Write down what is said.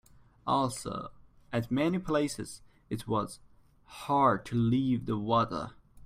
Also, at many places it was hard to leave the water.